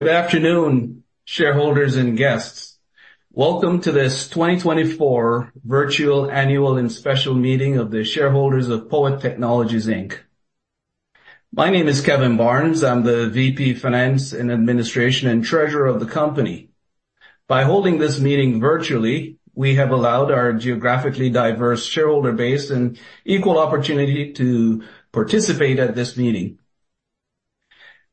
Good afternoon, shareholders and guests. Welcome to this 2024 virtual annual and special meeting of the shareholders of POET Technologies, Inc. My name is Kevin Barnes. I'm the VP of Finance and Administration and Treasurer of the company. By holding this meeting virtually, we have allowed our geographically diverse shareholder base an equal opportunity to participate at this meeting.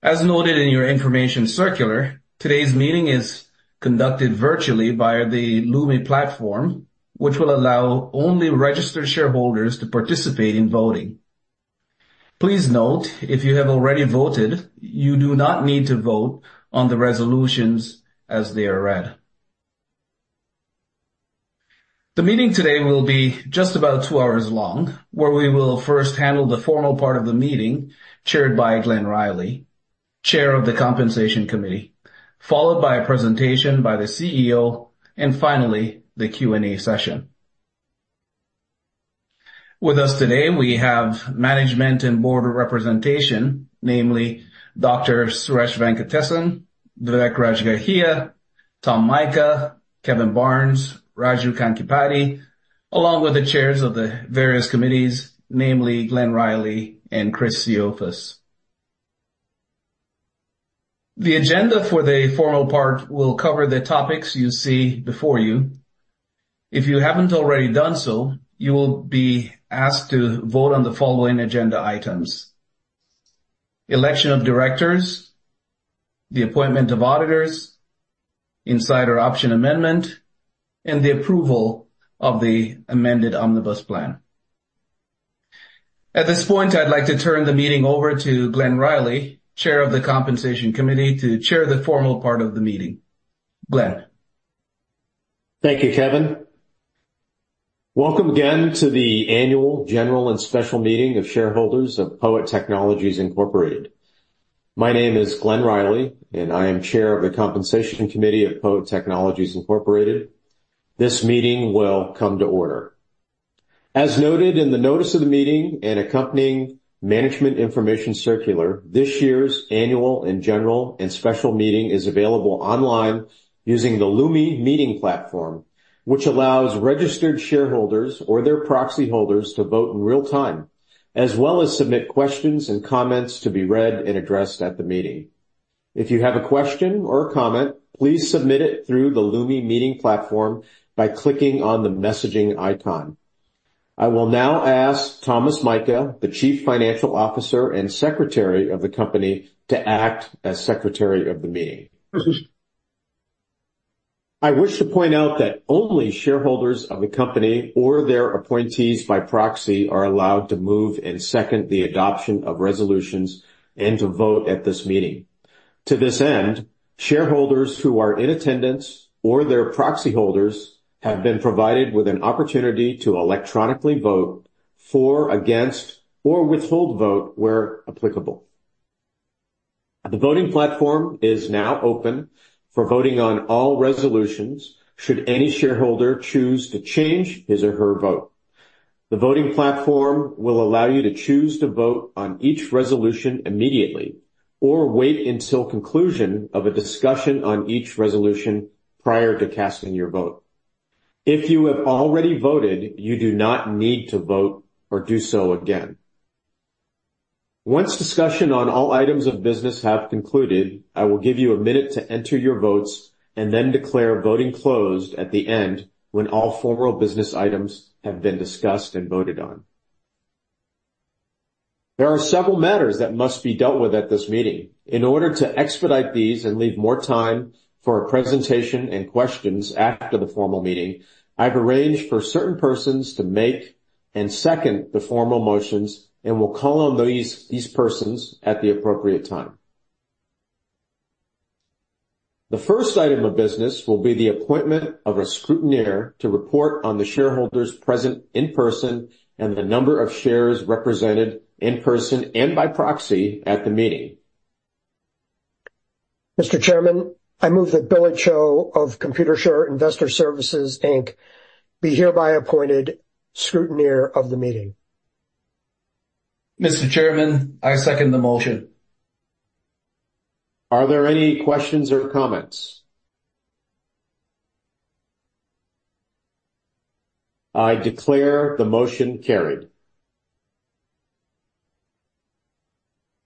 As noted in your information circular, today's meeting is conducted virtually via the Lumi platform, which will allow only registered shareholders to participate in voting. Please note, if you have already voted, you do not need to vote on the resolutions as they are read. The meeting today will be just about 2 hours long, where we will first handle the formal part of the meeting, chaired by Glen Riley, Chair of the Compensation Committee, followed by a presentation by the CEO, and finally, the Q&A session. With us today, we have management and board representation, namely Dr. Suresh Venkatesan, Vivek Rajgarhia, Tom Mika, Kevin Barnes, Raju Kankipati, along with the chairs of the various committees, namely Glen Riley and Chris Tsiofas. The agenda for the formal part will cover the topics you see before you. If you haven't already done so, you will be asked to vote on the following agenda items: election of directors, the appointment of auditors, insider option amendment, and the approval of the amended omnibus plan. At this point, I'd like to turn the meeting over to Glen Riley, chair of the Compensation Committee, to chair the formal part of the meeting. Glen? Thank you, Kevin. Welcome again to the annual general and special meeting of shareholders of POET Technologies Incorporated. My name is Glen Riley, and I am chair of the Compensation Committee of POET Technologies Incorporated. This meeting will come to order. As noted in the notice of the meeting and accompanying management information circular, this year's annual and general and special meeting is available online using the Lumi meeting platform, which allows registered shareholders or their proxy holders to vote in real time, as well as submit questions and comments to be read and addressed at the meeting. If you have a question or a comment, please submit it through the Lumi meeting platform by clicking on the messaging icon. I will now ask Thomas Mika, the Chief Financial Officer and Secretary of the company, to act as Secretary of the meeting. I wish to point out that only shareholders of the company or their appointees by proxy are allowed to move and second the adoption of resolutions and to vote at this meeting. To this end, shareholders who are in attendance or their proxy holders have been provided with an opportunity to electronically vote for, against, or withhold vote where applicable. The voting platform is now open for voting on all resolutions should any shareholder choose to change his or her vote. The voting platform will allow you to choose to vote on each resolution immediately or wait until conclusion of a discussion on each resolution prior to casting your vote. If you have already voted, you do not need to vote or do so again. Once discussion on all items of business have concluded, I will give you a minute to enter your votes and then declare voting closed at the end when all formal business items have been discussed and voted on. There are several matters that must be dealt with at this meeting. In order to expedite these and leave more time for a presentation and questions after the formal meeting, I've arranged for certain persons to make and second the formal motions and will call on these persons at the appropriate time. The first item of business will be the appointment of a scrutineer to report on the shareholders present in person and the number of shares represented in person and by proxy at the meeting. Mr. Chairman, I move that Billy Cho of Computershare Investor Services Inc. be hereby appointed scrutineer of the meeting. Mr. Chairman, I second the motion. Are there any questions or comments? I declare the motion carried.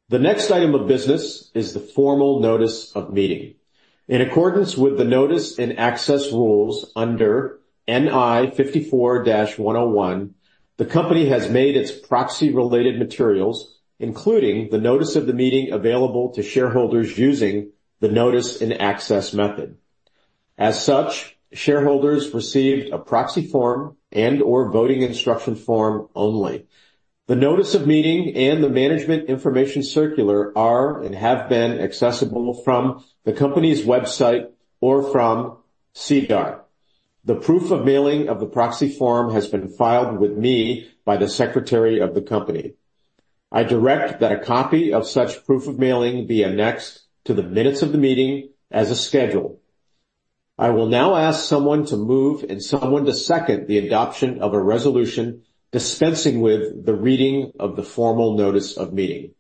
The next item of business is the formal notice of meeting. In accordance with the notice and access rules under NI 54-101, the company has made its proxy-related materials, including the notice of the meeting, available to shareholders using the notice and access method. As such, shareholders received a proxy form and or voting instruction form only. The notice of meeting and the management information circular are and have been accessible from the company's website or from SEDAR. The proof of mailing of the proxy form has been filed with me by the Secretary of the company. I direct that a copy of such proof of mailing be annexed to the minutes of the meeting as a schedule.... I will now ask someone to move and someone to second the adoption of a resolution dispensing with the reading of the formal notice of meeting.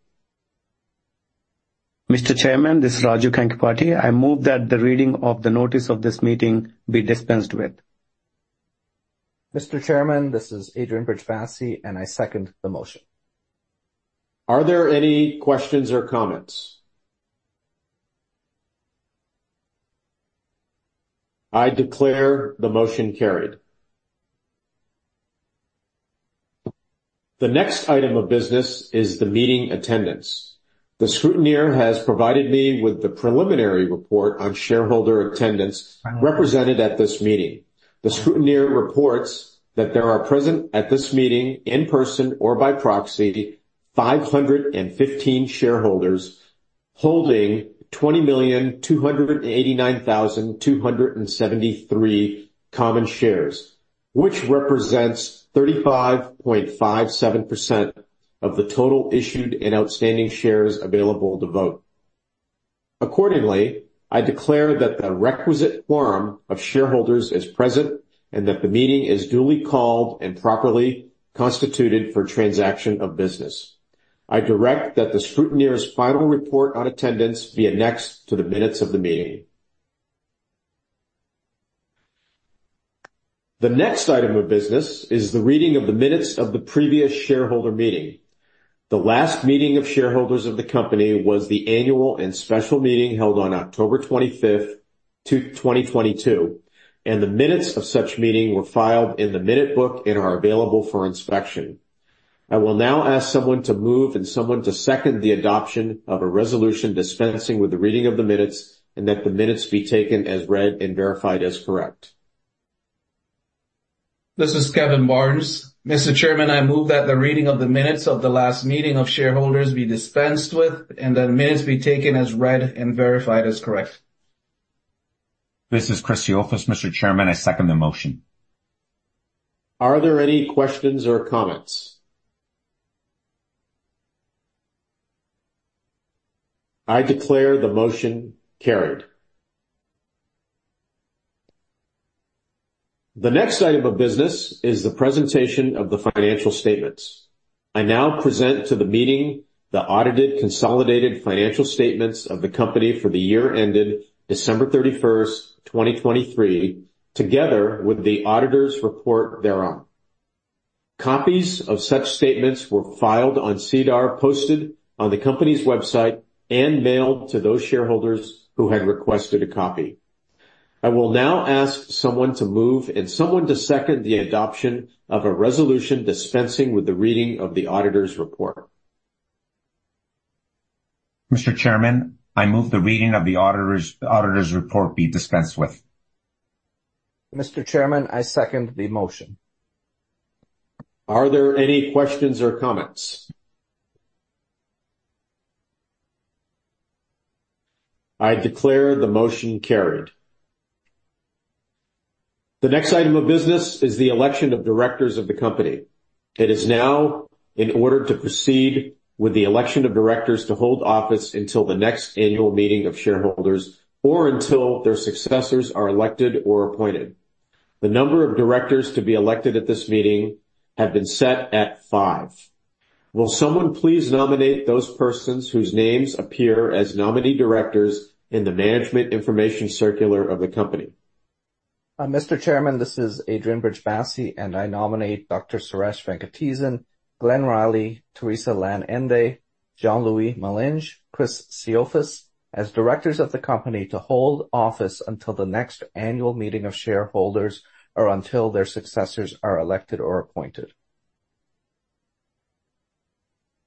Mr. Chairman, this is Raju Kankipati. I move that the reading of the notice of this meeting be dispensed with. Mr. Chairman, this is Adrian Brijbassi, and I second the motion. Are there any questions or comments? I declare the motion carried. The next item of business is the meeting attendance. The scrutineer has provided me with the preliminary report on shareholder attendance represented at this meeting. The scrutineer reports that there are present at this meeting, in person or by proxy, 515 shareholders holding 20,289,273 common shares, which represents 35.57% of the total issued and outstanding shares available to vote. Accordingly, I declare that the requisite quorum of shareholders is present and that the meeting is duly called and properly constituted for transaction of business. I direct that the scrutineer's final report on attendance be annexed to the minutes of the meeting. The next item of business is the reading of the minutes of the previous shareholder meeting. The last meeting of shareholders of the company was the annual and special meeting held on October 25th, 2022, and the minutes of such meeting were filed in the minute book and are available for inspection. I will now ask someone to move and someone to second the adoption of a resolution dispensing with the reading of the minutes, and that the minutes be taken as read and verified as correct. This is Kevin Barnes. Mr. Chairman, I move that the reading of the minutes of the last meeting of shareholders be dispensed with and that minutes be taken as read and verified as correct. This is Chris Tsiofas. Mr. Chairman, I second the motion. Are there any questions or comments? I declare the motion carried. The next item of business is the presentation of the financial statements. I now present to the meeting the audited, consolidated financial statements of the company for the year ended December 31st, 2023, together with the auditor's report thereon. Copies of such statements were filed on SEDAR, posted on the company's website, and mailed to those shareholders who had requested a copy. I will now ask someone to move and someone to second the adoption of a resolution dispensing with the reading of the auditor's report. Mr. Chairman, I move the reading of the auditor's report be dispensed with. Mr. Chairman, I second the motion. Are there any questions or comments? I declare the motion carried. The next item of business is the election of directors of the company. It is now in order to proceed with the election of directors to hold office until the next annual meeting of shareholders, or until their successors are elected or appointed. The number of directors to be elected at this meeting have been set at five. Will someone please nominate those persons whose names appear as nominee directors in the management information circular of the company? Mr. Chairman, this is Adrian Brijbassi, and I nominate Dr. Suresh Venkatesan, Glen Riley, Theresa Lan-EnDe, Jean-Louis Malinge, Chris Tsiofas, as directors of the company to hold office until the next annual meeting of shareholders or until their successors are elected or appointed.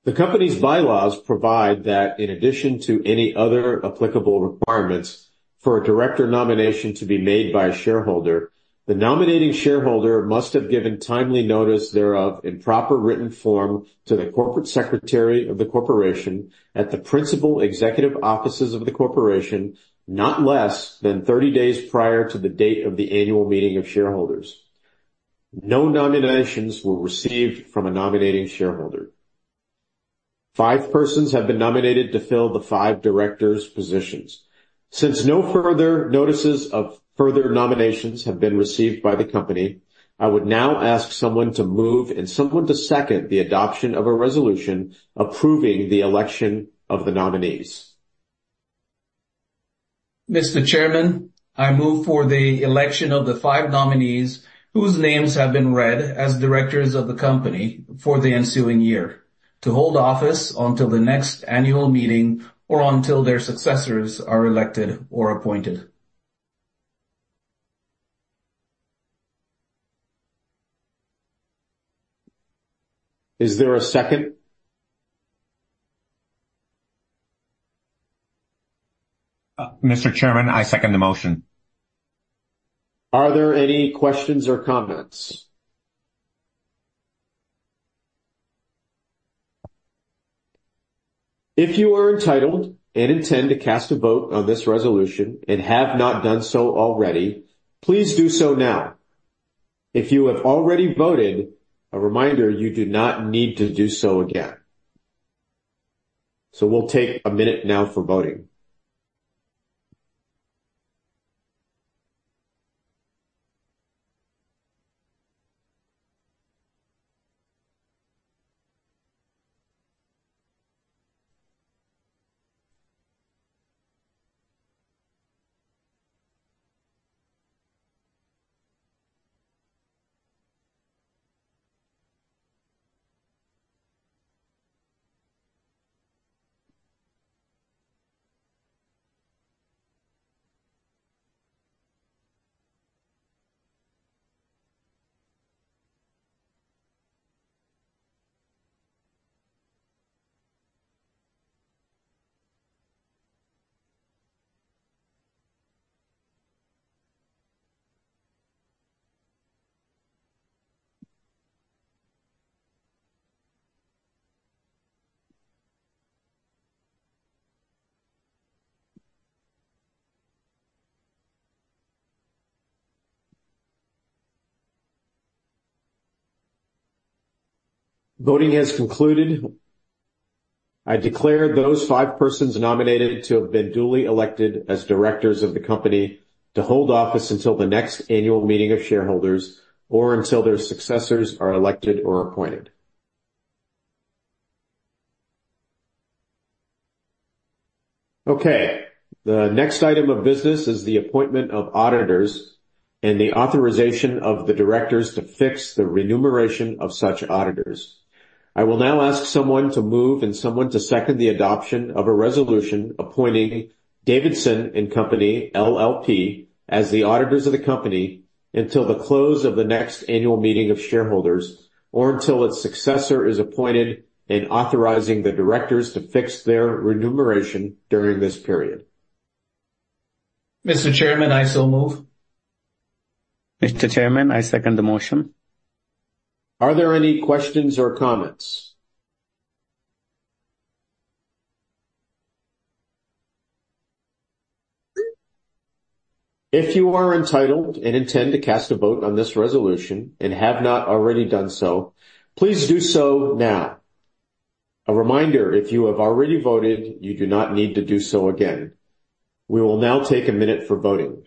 The company's bylaws provide that in addition to any other applicable requirements, for a director nomination to be made by a shareholder, the nominating shareholder must have given timely notice thereof in proper written form to the corporate secretary of the corporation at the principal executive offices of the corporation, not less than 30 days prior to the date of the annual meeting of shareholders. No nominations were received from a nominating shareholder. five persons have been nominated to fill the five directors' positions. Since no further notices of further nominations have been received by the company, I would now ask someone to move and someone to second the adoption of a resolution approving the election of the nominees. Mr. Chairman, I move for the election of the five nominees, whose names have been read as directors of the company for the ensuing year, to hold office until the next annual meeting or until their successors are elected or appointed. Is there a second? Mr. Chairman, I second the motion. Are there any questions or comments? If you are entitled and intend to cast a vote on this resolution and have not done so already, please do so now. If you have already voted, a reminder, you do not need to do so again.... So we'll take a minute now for voting. Voting has concluded. I declare those five persons nominated to have been duly elected as directors of the company, to hold office until the next annual meeting of shareholders or until their successors are elected or appointed. Okay, the next item of business is the appointment of auditors and the authorization of the directors to fix the remuneration of such auditors. I will now ask someone to move and someone to second the adoption of a resolution appointing Davidson & Company LLP as the auditors of the company until the close of the next annual meeting of shareholders or until its successor is appointed, and authorizing the directors to fix their remuneration during this period. Mr. Chairman, I so move. Mr. Chairman, I second the motion. Are there any questions or comments? If you are entitled and intend to cast a vote on this resolution and have not already done so, please do so now. A reminder, if you have already voted, you do not need to do so again. We will now take a minute for voting.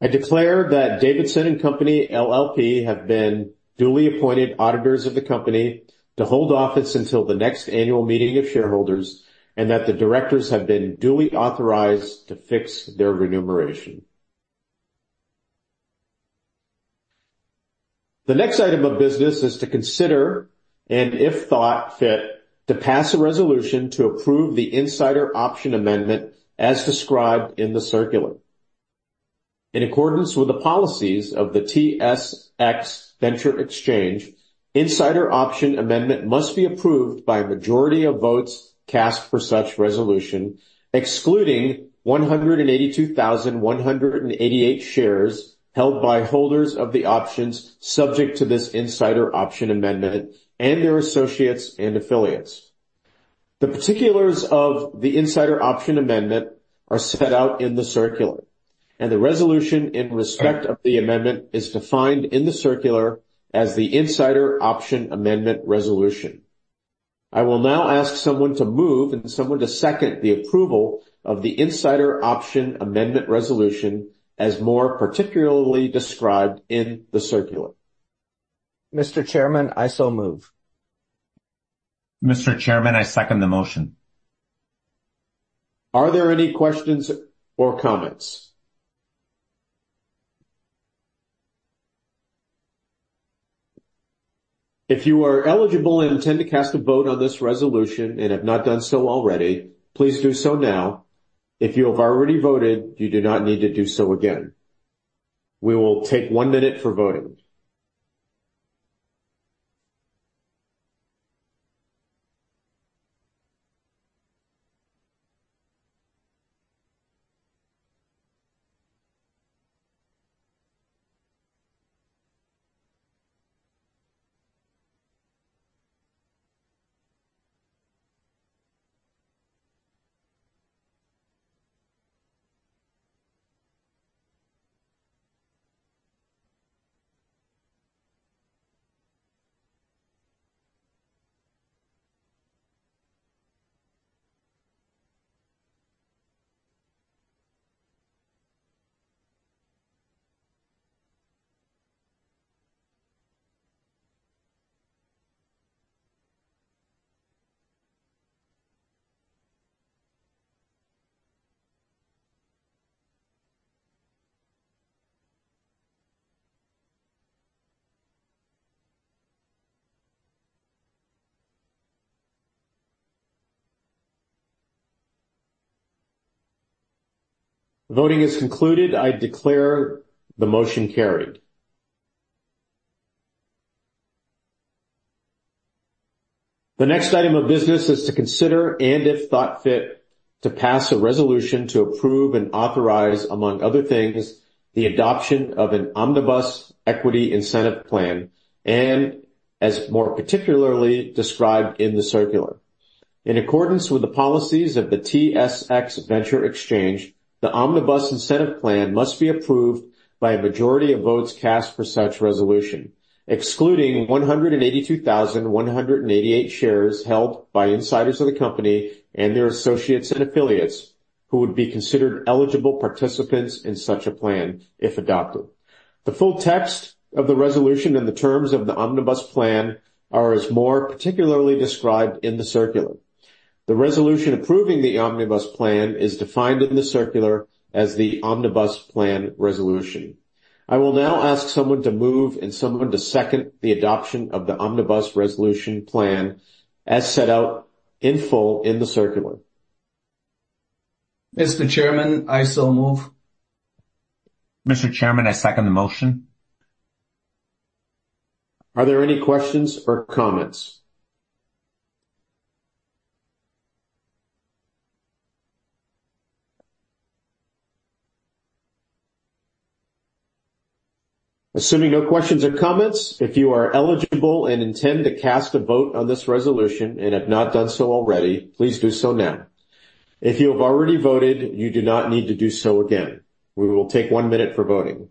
I declare that Davidson & Company LLP have been duly appointed auditors of the company to hold office until the next annual meeting of shareholders, and that the directors have been duly authorized to fix their remuneration. The next item of business is to consider and, if thought fit, to pass a resolution to approve the insider option amendment as described in the circular. In accordance with the policies of the TSX Venture Exchange, insider option amendment must be approved by a majority of votes cast for such resolution, excluding 182,188 shares held by holders of the options subject to this insider option amendment and their associates and affiliates. The particulars of the insider option amendment are set out in the circular, and the resolution in respect of the amendment is defined in the circular as the insider option amendment resolution. I will now ask someone to move and someone to second the approval of the insider option amendment resolution, as more particularly described in the circular. Mr. Chairman, I so move. Mr. Chairman, I second the motion. Are there any questions or comments? If you are eligible and intend to cast a vote on this resolution and have not done so already, please do so now. If you have already voted, you do not need to do so again. We will take 1 minute for voting.... Voting is concluded. I declare the motion carried. The next item of business is to consider, and if thought fit, to pass a resolution to approve and authorize, among other things, the adoption of an Omnibus Equity Incentive Plan, and as more particularly described in the circular. In accordance with the policies of the TSX Venture Exchange, the Omnibus Incentive Plan must be approved by a majority of votes cast for such resolution, excluding 182,188 shares held by insiders of the company and their associates and affiliates, who would be considered eligible participants in such a plan if adopted. The full text of the resolution and the terms of the Omnibus Plan are as more particularly described in the circular. The resolution approving the Omnibus Plan is defined in the circular as the Omnibus Plan resolution. I will now ask someone to move and someone to second the adoption of the Omnibus Resolution Plan as set out in full in the circular. Mr. Chairman, I so move. Mr. Chairman, I second the motion. Are there any questions or comments? Assuming no questions or comments, if you are eligible and intend to cast a vote on this resolution and have not done so already, please do so now. If you have already voted, you do not need to do so again. We will take one minute for voting.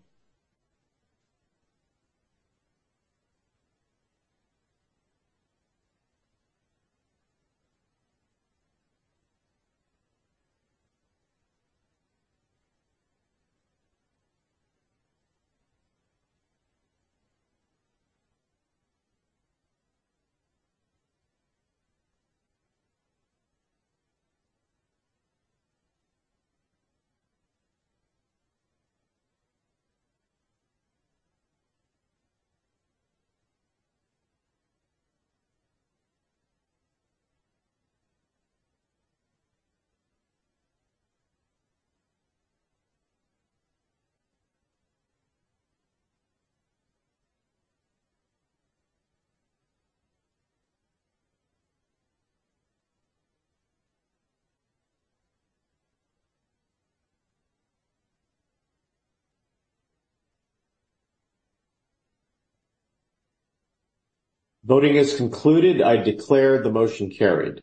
Voting is concluded. I declare the motion carried.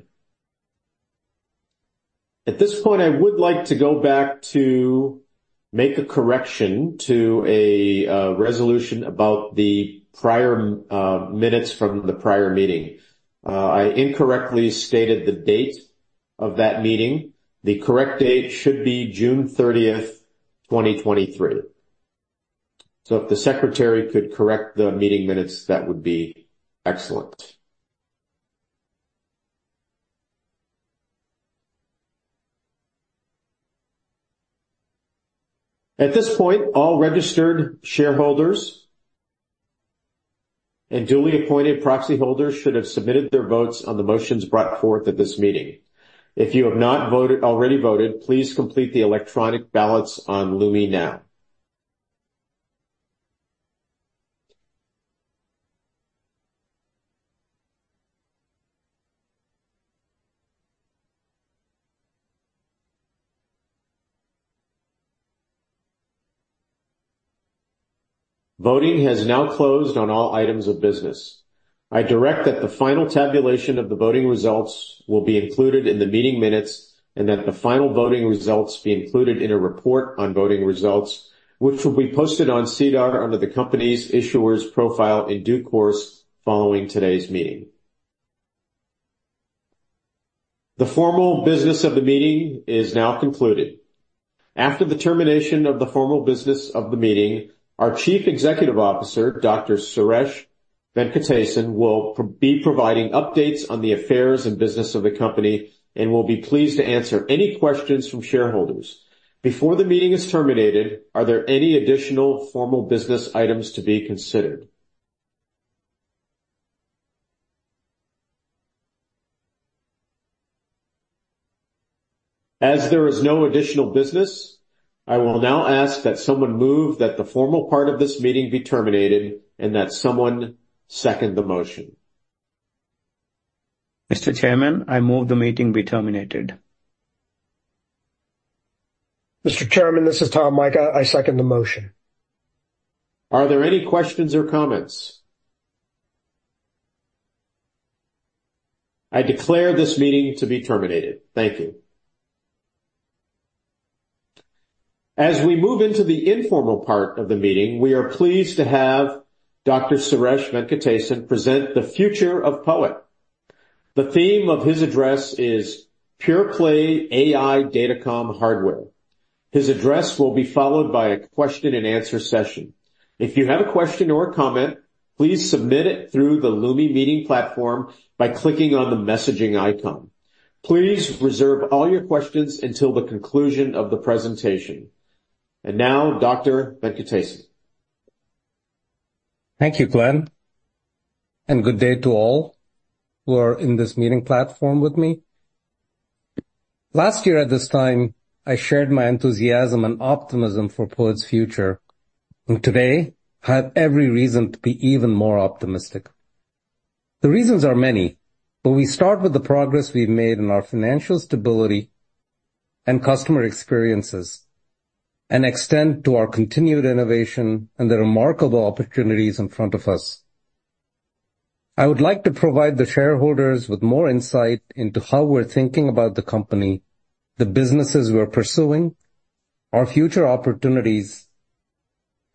At this point, I would like to go back to make a correction to a resolution about the prior minutes from the prior meeting. I incorrectly stated the date of that meeting. The correct date should be June 30th, 2023. So if the secretary could correct the meeting minutes, that would be excellent. At this point, all registered shareholders and duly appointed proxy holders should have submitted their votes on the motions brought forth at this meeting. If you have not voted, already voted, please complete the electronic ballots on Lumi now. Voting has now closed on all items of business. I direct that the final tabulation of the voting results will be included in the meeting minutes, and that the final voting results be included in a report on voting results, which will be posted on SEDAR under the company's issuer's profile in due course, following today's meeting. The formal business of the meeting is now concluded. After the termination of the formal business of the meeting, our Chief Executive Officer, Dr. Suresh Venkatesan, will be providing updates on the affairs and business of the company and will be pleased to answer any questions from shareholders. Before the meeting is terminated, are there any additional formal business items to be considered? As there is no additional business, I will now ask that someone move, that the formal part of this meeting be terminated, and that someone second the motion. Mr. Chairman, I move the meeting be terminated. Mr. Chairman, this is Thomas Mika. I second the motion. Are there any questions or comments? I declare this meeting to be terminated. Thank you. As we move into the informal part of the meeting, we are pleased to have Dr. Suresh Venkatesan present the future of POET. The theme of his address is Pure Play AI Data Comm Hardware. His address will be followed by a question and answer session. If you have a question or a comment, please submit it through the Lumi Meeting Platform by clicking on the messaging icon. Please reserve all your questions until the conclusion of the presentation. And now, Dr. Venkatesan. Thank you, Glen, and good day to all who are in this meeting platform with me. Last year at this time, I shared my enthusiasm and optimism for POET's future, and today, I have every reason to be even more optimistic. The reasons are many, but we start with the progress we've made in our financial stability and customer experiences and extend to our continued innovation and the remarkable opportunities in front of us. I would like to provide the shareholders with more insight into how we're thinking about the company, the businesses we are pursuing, our future opportunities,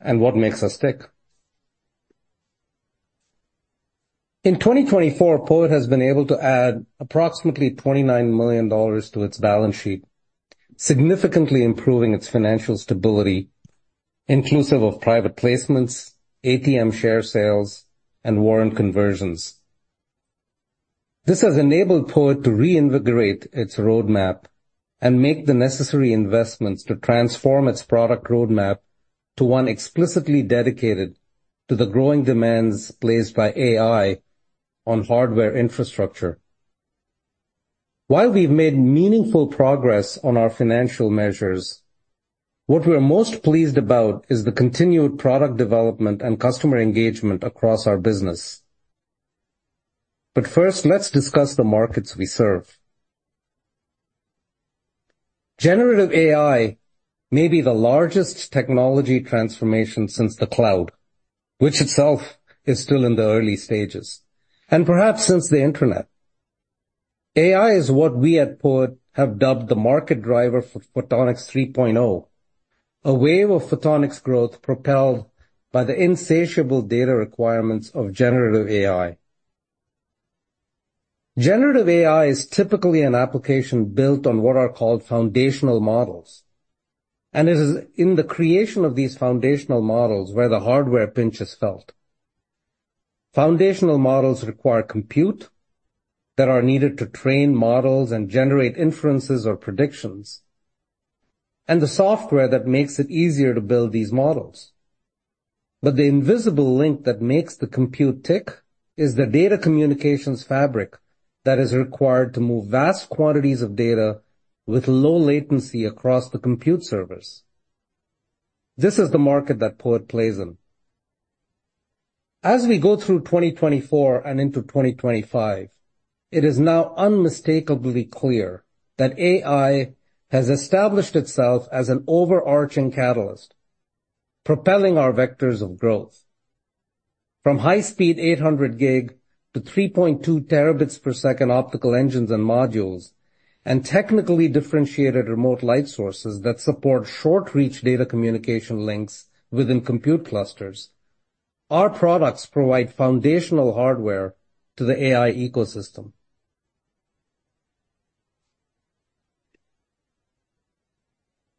and what makes us tick. In 2024, POET has been able to add approximately $29 million to its balance sheet, significantly improving its financial stability, inclusive of private placements, ATM share sales, and warrant conversions. This has enabled POET to reinvigorate its roadmap and make the necessary investments to transform its product roadmap to one explicitly dedicated to the growing demands placed by AI on hardware infrastructure. While we've made meaningful progress on our financial measures, what we are most pleased about is the continued product development and customer engagement across our business. But first, let's discuss the markets we serve. Generative AI may be the largest technology transformation since the cloud, which itself is still in the early stages, and perhaps since the internet. AI is what we at POET have dubbed the market driver for Photonics 3.0, a wave of photonics growth propelled by the insatiable data requirements of generative AI. Generative AI is typically an application built on what are called foundational models, and it is in the creation of these foundational models where the hardware pinch is felt. Foundational models require compute that are needed to train models and generate inferences or predictions, and the software that makes it easier to build these models. But the invisible link that makes the compute tick is the data communications fabric that is required to move vast quantities of data with low latency across the compute servers. This is the market that POET plays in. As we go through 2024 and into 2025, it is now unmistakably clear that AI has established itself as an overarching catalyst, propelling our vectors of growth. From high-speed 800 gig to 3.2 terabits per second optical engines and modules, and technically differentiated remote light sources that support short-reach data communication links within compute clusters, our products provide foundational hardware to the AI ecosystem.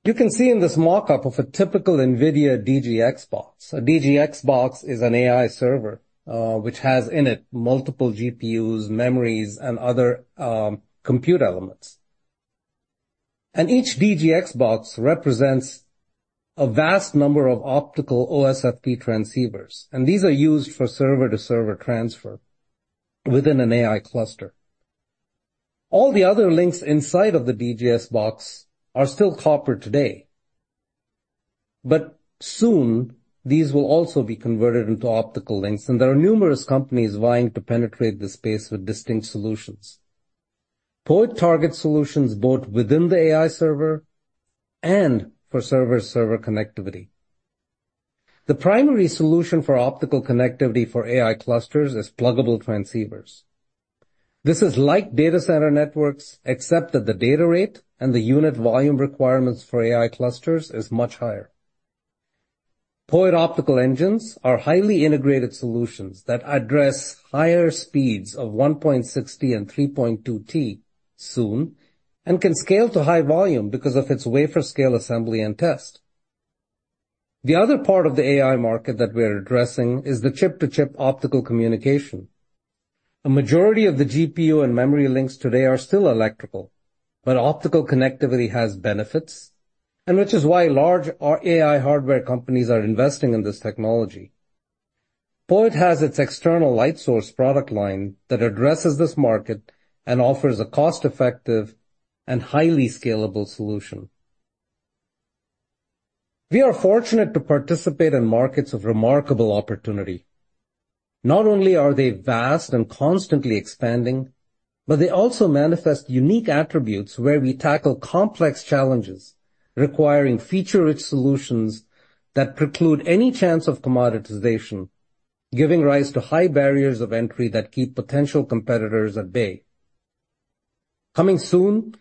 You can see in this mock-up of a typical NVIDIA DGX box. A DGX box is an AI server, which has in it multiple GPUs, memories, and other, compute elements. Each DGX box represents a vast number of optical OSFP transceivers, and these are used for server-to-server transfer within an AI cluster. All the other links inside of the DGX box are still copper today, but soon these will also be converted into optical links, and there are numerous companies vying to penetrate this space with distinct solutions. POET targets solutions both within the AI server and for server-to-server connec tivity. The primary solution for optical connectivity for AI clusters is pluggable transceivers. This is like data center networks, except that the data rate and the unit volume requirements for AI clusters is much higher. POET optical engines are highly integrated solutions that address higher speeds of 1.6 T and 3.2 T soon, and can scale to high volume because of its wafer scale, assembly, and test. The other part of the AI market that we are addressing is the chip-to-chip optical communication. A majority of the GPU and memory links today are still electrical, but optical connectivity has benefits, and which is why large AI hardware companies are investing in this technology. POET has its external light source product line that addresses this market and offers a cost-effective and highly scalable solution. We are fortunate to participate in markets of remarkable opportunity. Not only are they vast and constantly expanding, but they also manifest unique attributes where we tackle complex challenges requiring feature-rich solutions that preclude any chance of commoditization, giving rise to high barriers of entry that keep potential competitors at bay. Coming soon,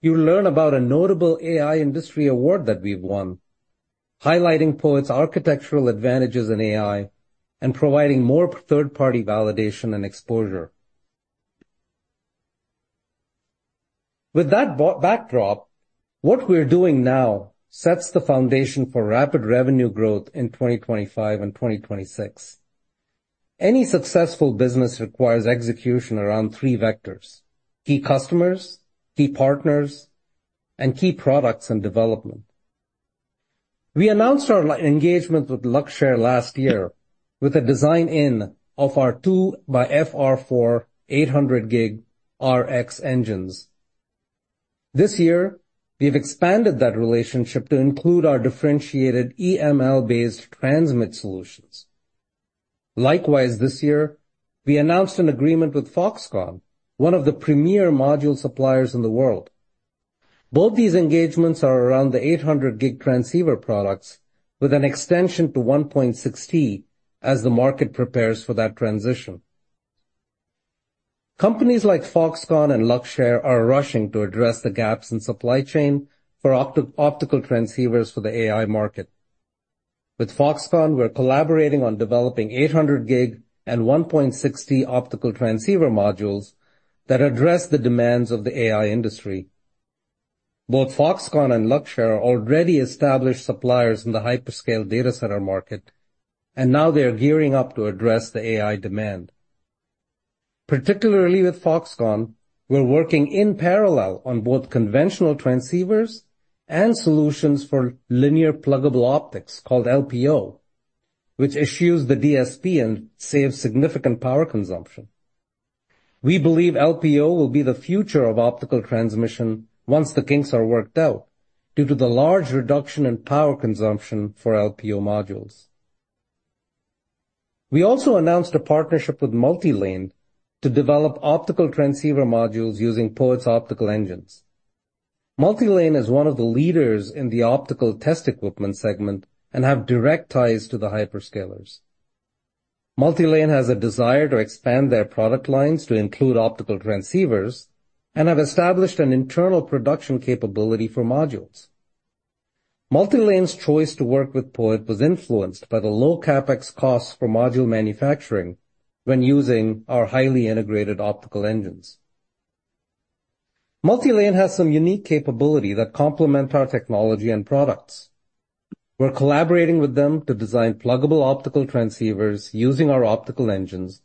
you'll learn about a notable AI industry award that we've won, highlighting POET's architectural advantages in AI and providing more third-party validation and exposure. With that backdrop, what we're doing now sets the foundation for rapid revenue growth in 2025 and 2026. Any successful business requires execution around three vectors: key customers, key partners, and key products and development. We announced our engagement with Luxshare last year with a design-in of our 2×FR4 800 gig RX engines. This year, we've expanded that relationship to include our differentiated EML-based transmit solutions. Likewise, this year, we announced an agreement with Foxconn, one of the premier module suppliers in the world. Both these engagements are around the 800 gig transceiver products, with an extension to 1.6 T as the market prepares for that transition. Companies like Foxconn and Luxshare are rushing to address the gaps in supply chain for optical transceivers for the AI market. With Foxconn, we're collaborating on developing 800 gig and 1.6 T optical transceiver modules that address the demands of the AI industry. Both Foxconn and Luxshare are already established suppliers in the hyperscale data center market, and now they are gearing up to address the AI demand. Particularly with Foxconn, we're working in parallel on both conventional transceivers and solutions for linear pluggable optics, called LPO, which eschews the DSP and saves significant power consumption. We believe LPO will be the future of optical transmission once the kinks are worked out, due to the large reduction in power consumption for LPO modules. We also announced a partnership with MultiLane to develop optical transceiver modules using POET's optical engines. MultiLane is one of the leaders in the optical test equipment segment and have direct ties to the hyperscalers. MultiLane has a desire to expand their product lines to include optical transceivers and have established an internal production capability for modules. MultiLane's choice to work with POET was influenced by the low CapEx costs for module manufacturing when using our highly integrated optical engines. MultiLane has some unique capability that complement our technology and products. We're collaborating with them to design pluggable optical transceivers using our optical engines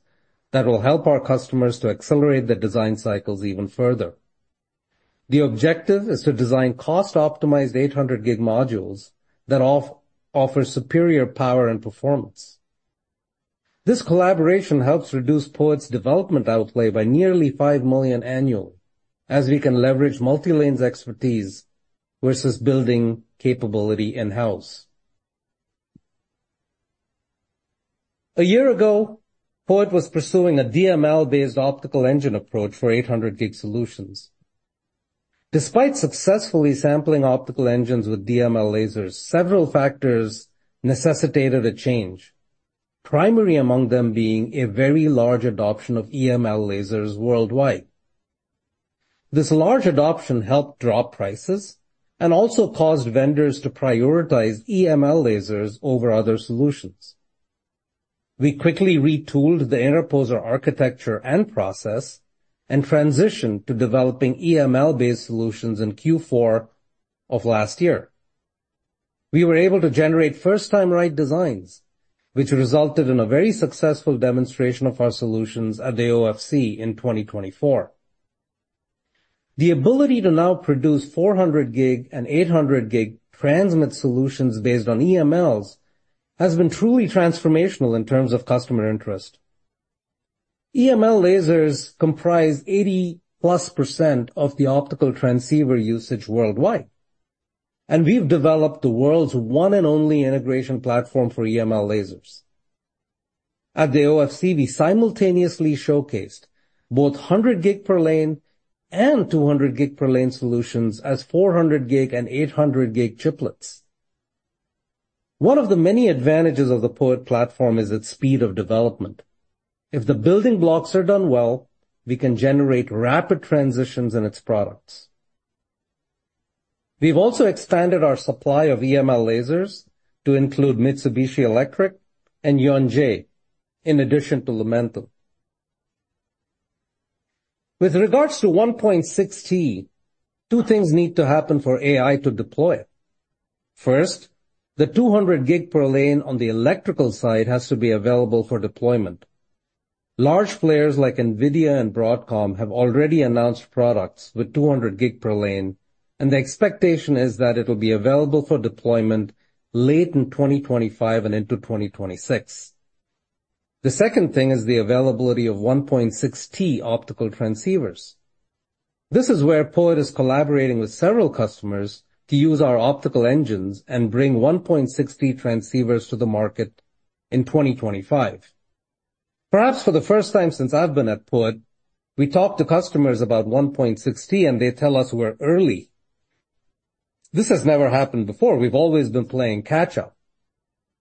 that will help our customers to accelerate their design cycles even further. The objective is to design cost-optimized 800 gig modules that offer superior power and performance. This collaboration helps reduce POET's development outlay by nearly $5 million annually, as we can leverage MultiLane's expertise versus building capability in-house. A year ago, POET was pursuing a DML-based optical engine approach for 800 gig solutions. Despite successfully sampling optical engines with DML lasers, several factors necessitated a change, primary among them being a very large adoption of EML lasers worldwide. This large adoption helped drop prices and also caused vendors to prioritize EML lasers over other solutions. We quickly retooled the interposer architecture and process and transitioned to developing EML-based solutions in Q4 of last year. We were able to generate first-time right designs, which resulted in a very successful demonstration of our solutions at the OFC in 2024. The ability to now produce 400 gig and 800 gig transmit solutions based on EMLs has been truly transformational in terms of customer interest. EML lasers comprise 80%+ of the optical transceiver usage worldwide, and we've developed the world's one and only integration platform for EML lasers. At the OFC, we simultaneously showcased both 100 gig per lane and 200 gig per lane solutions as 400 gig and 800 gig chiplets. One of the many advantages of the POET platform is its speed of development. If the building blocks are done well, we can generate rapid transitions in its products. We've also expanded our supply of EML lasers to include Mitsubishi Electric and Ying, in addition to Lumentum. With regards to 1.6 T, two things need to happen for AI to deploy it. First, the 200 gig per lane on the electrical side has to be available for deployment. Large players like NVIDIA and Broadcom have already announced products with 200 gig per lane, and the expectation is that it'll be available for deployment late in 2025 and into 2026. The second thing is the availability of 1.6 T optical transceivers. This is where POET is collaborating with several customers to use our optical engines and bring 1.6 T transceivers to the market in 2025. Perhaps for the first time since I've been at POET, we talk to customers about 1.6 T, and they tell us we're early. This has never happened before. We've always been playing catch-up.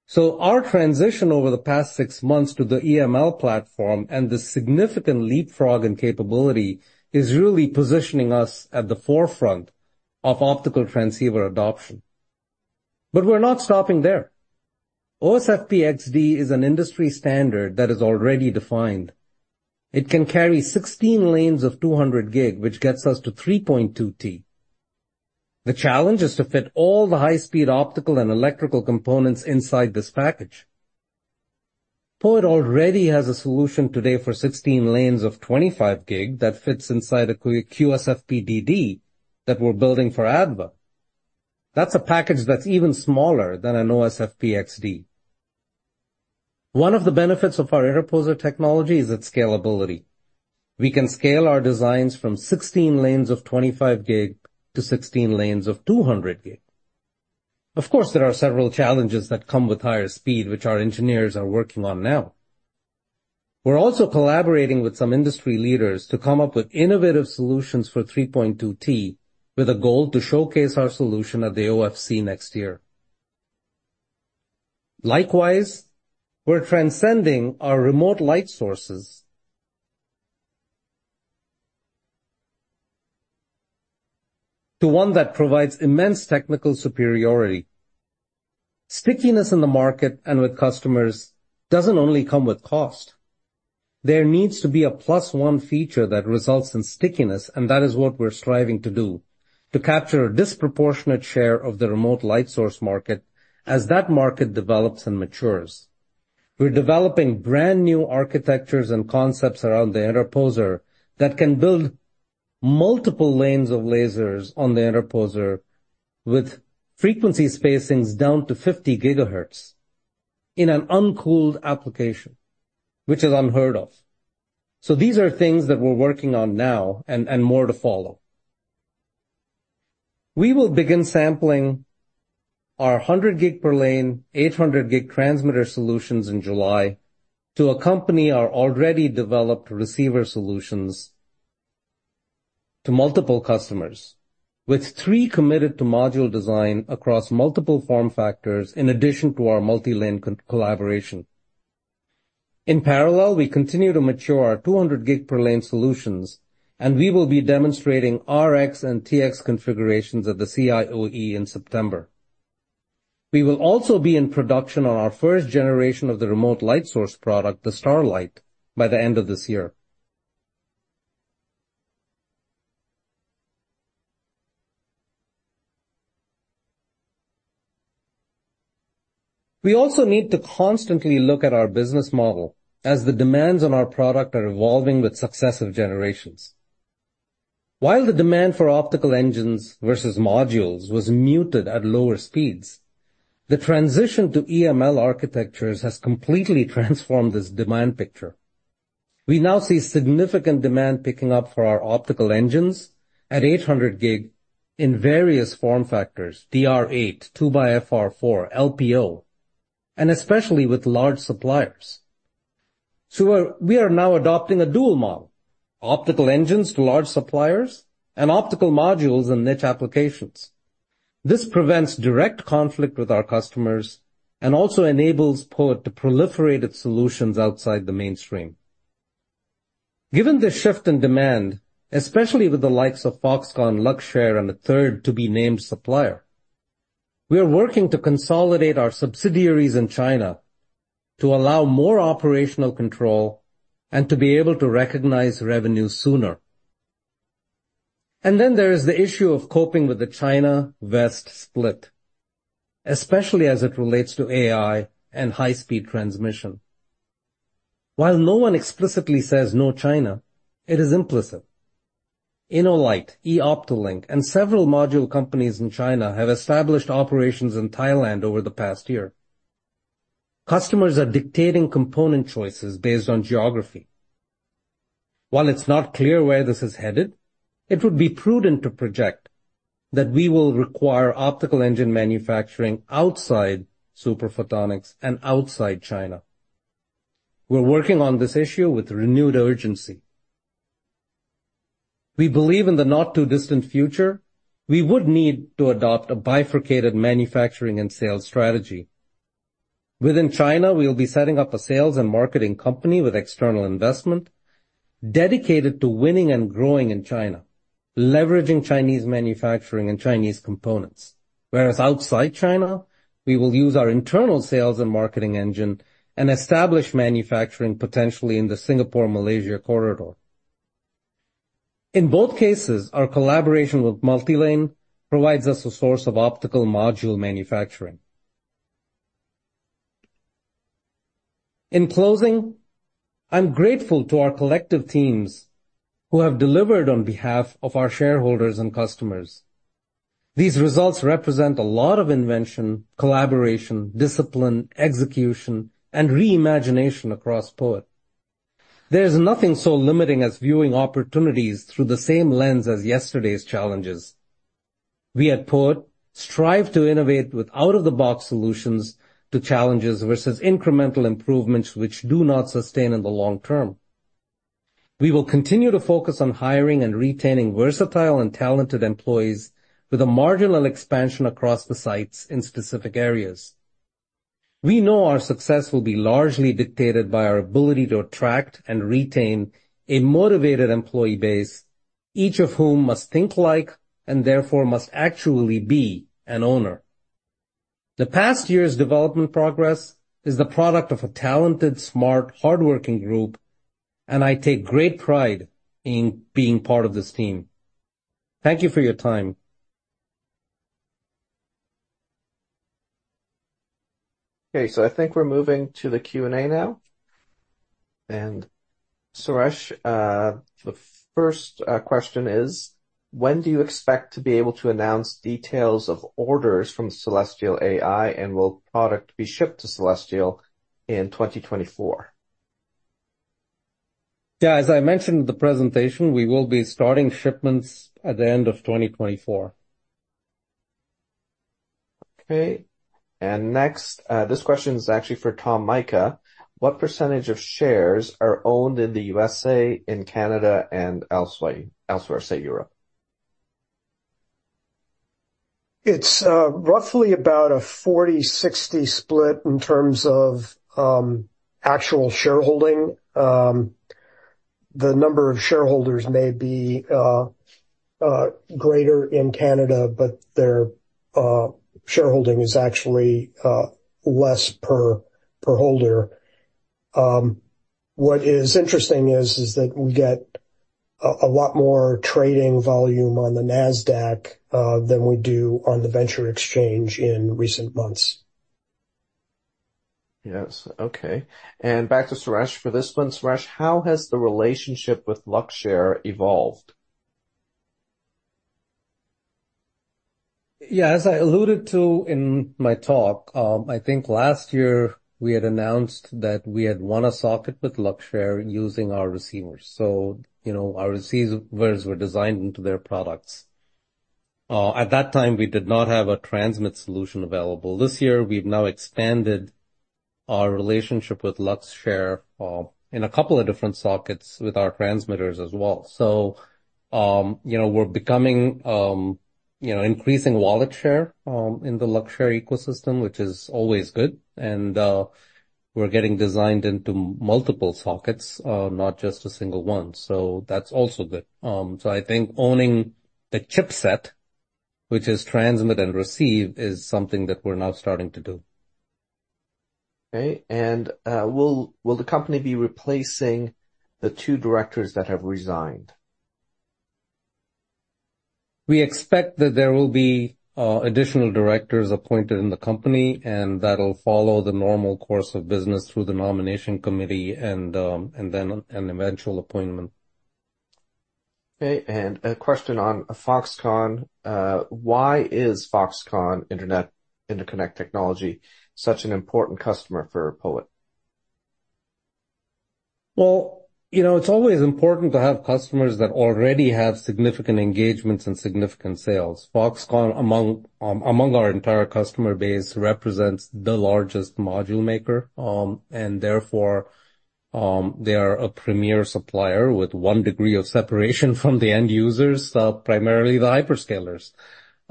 So our transition over the past six months to the EML platform and the significant leapfrog in capability is really positioning us at the forefront of optical transceiver adoption. But we're not stopping there. OSFP-XD is an industry standard that is already defined. It can carry 16 lanes of 200 gig, which gets us to 3.2 T. The challenge is to fit all the high-speed optical and electrical components inside this package. POET already has a solution today for 16 lanes of 25 gig that fits inside a QSFP-DD that we're building for ADVA. That's a package that's even smaller than an OSFP-XD. One of the benefits of our interposer technology is its scalability. We can scale our designs from 16 lanes of 25 gig to 16 lanes of 200 gig. Of course, there are several challenges that come with higher speed, which our engineers are working on now. We're also collaborating with some industry leaders to come up with innovative solutions for 3.2 T, with a goal to showcase our solution at the OFC next year. Likewise, we're transcending our remote light sources to one that provides immense technical superiority. Stickiness in the market and with customers doesn't only come with cost. There needs to be a plus one feature that results in stickiness, and that is what we're striving to do, to capture a disproportionate share of the remote light source market as that market develops and matures. We're developing brand-new architectures and concepts around the interposer that can build multiple lanes of lasers on the interposer, with frequency spacings down to 50 GHz in an uncooled application, which is unheard of. So these are things that we're working on now, and more to follow. We will begin sampling our 100 gig per lane, 800 gig transmitter solutions in July to accompany our already developed receiver solutions to multiple customers, with three committed to module design across multiple form factors in addition to our multi-lane collaboration. In parallel, we continue to mature our 200 gig per lane solutions, and we will be demonstrating RX and TX configurations at the CIOE in September. We will also be in production on our first generation of the remote light source product, the Starlight, by the end of this year. We also need to constantly look at our business model as the demands on our product are evolving with successive generations. While the demand for optical engines versus modules was muted at lower speeds, the transition to EML architectures has completely transformed this demand picture. We now see significant demand picking up for our optical engines at 800G in various form factors, DR8, 2×FR4, LPO, and especially with large suppliers. So we are now adopting a dual model: optical engines to large suppliers and optical modules in niche applications. This prevents direct conflict with our customers and also enables POET to proliferate its solutions outside the mainstream. Given this shift in demand, especially with the likes of Foxconn, Luxshare, and a third-to-be-named supplier, we are working to consolidate our subsidiaries in China to allow more operational control and to be able to recognize revenue sooner. And then there is the issue of coping with the China-West split, especially as it relates to AI and high-speed transmission. While no one explicitly says, "No China," it is implicit. InnoLight, Eoptolink, and several module companies in China have established operations in Thailand over the past year. Customers are dictating component choices based on geography. While it's not clear where this is headed, it would be prudent to project that we will require optical engine manufacturing outside Super Photonics and outside China. We're working on this issue with renewed urgency. We believe in the not-too-distant future, we would need to adopt a bifurcated manufacturing and sales strategy. Within China, we will be setting up a sales and marketing company with external investment, dedicated to winning and growing in China, leveraging Chinese manufacturing and Chinese components. Whereas outside China, we will use our internal sales and marketing engine and establish manufacturing potentially in the Singapore-Malaysia corridor. In both cases, our collaboration with MultiLane provides us a source of optical module manufacturing. In closing, I'm grateful to our collective teams who have delivered on behalf of our shareholders and customers. These results represent a lot of invention, collaboration, discipline, execution, and re-imagination across POET. There is nothing so limiting as viewing opportunities through the same lens as yesterday's challenges. We at POET strive to innovate with out-of-the-box solutions to challenges versus incremental improvements, which do not sustain in the long term. We will continue to focus on hiring and retaining versatile and talented employees with a marginal expansion across the sites in specific areas. We know our success will be largely dictated by our ability to attract and retain a motivated employee base, each of whom must think like, and therefore must actually be an owner. The past year's development progress is the product of a talented, smart, hardworking group, and I take great pride in being part of this team. Thank you for your time. Okay, so I think we're moving to the Q&A now. And Suresh, the first question is: when do you expect to be able to announce details of orders from Celestial AI, and will product be shipped to Celestial in 2024? Yeah, as I mentioned in the presentation, we will be starting shipments at the end of 2024. Okay. Next, this question is actually for Tom Mika. What percentage of shares are owned in the USA, in Canada, and elsewhere, say, Europe? It's roughly about a 40-60 split in terms of actual shareholding. The number of shareholders may be greater in Canada, but their shareholding is actually less per holder. What is interesting is that we get a lot more trading volume on the NASDAQ than we do on the venture exchange in recent months. Yes. Okay. And back to Suresh for this one. Suresh, how has the relationship with Luxshare evolved? Yeah, as I alluded to in my talk, I think last year we had announced that we had won a socket with Luxshare using our receivers. So, you know, our receivers were designed into their products. At that time, we did not have a transmit solution available. This year, we've now expanded our relationship with Luxshare, in a couple of different sockets with our transmitters as well. So, you know, we're becoming, you know, increasing wallet share, in the Luxshare ecosystem, which is always good, and, we're getting designed into multiple sockets, not just a single one. So that's also good. So I think owning the chipset, which is transmit and receive, is something that we're now starting to do. Okay. And, will the company be replacing the two directors that have resigned? We expect that there will be additional directors appointed in the company, and that'll follow the normal course of business through the nomination committee and then an eventual appointment. Okay. A question on Foxconn. Why is Foxconn Interconnect Technology such an important customer for POET? Well, you know, it's always important to have customers that already have significant engagements and significant sales. Foxconn, among, among our entire customer base, represents the largest module maker, and therefore, they are a premier supplier with one degree of separation from the end users, primarily the hyperscalers.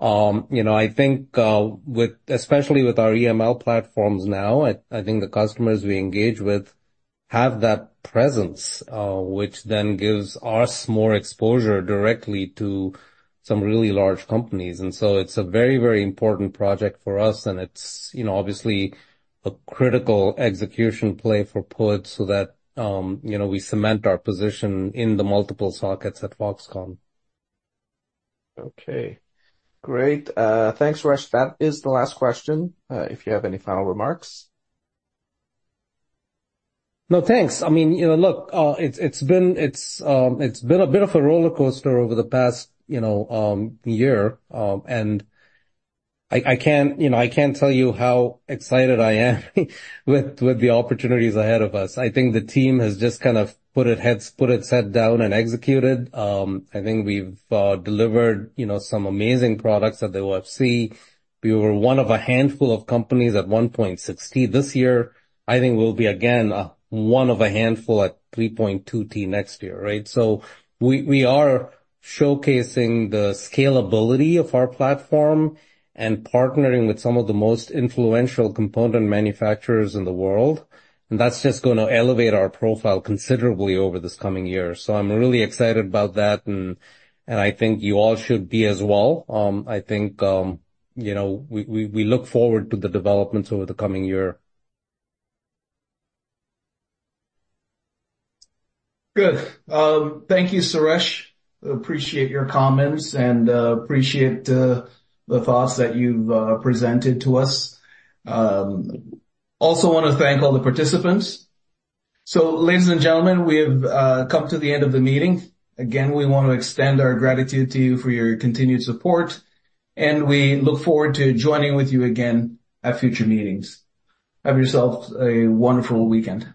You know, I think, with, especially with our EML platforms now, I, I think the customers we engage with have that presence, which then gives us more exposure directly to some really large companies. And so it's a very, very important project for us, and it's, you know, obviously a critical execution play for POET so that, you know, we cement our position in the multiple sockets at Foxconn. Okay, great. Thanks, Suresh. That is the last question, if you have any final remarks. No, thanks. I mean, you know, look, it's been a bit of a rollercoaster over the past, you know, year. And I can't tell you how excited I am with the opportunities ahead of us. I think the team has just kind of put its head down and executed. I think we've delivered, you know, some amazing products at the OFC. We were one of a handful of companies at 1.6. This year, I think we'll be, again, one of a handful at 3.2 T next year, right? So we are showcasing the scalability of our platform and partnering with some of the most influential component manufacturers in the world, and that's just gonna elevate our profile considerably over this coming year. I'm really excited about that, and I think you all should be as well. I think, you know, we look forward to the developments over the coming year. Good. Thank you, Suresh. Appreciate your comments, and appreciate the thoughts that you've presented to us. Also want to thank all the participants. So ladies and gentlemen, we have come to the end of the meeting. Again, we want to extend our gratitude to you for your continued support, and we look forward to joining with you again at future meetings. Have yourselves a wonderful weekend.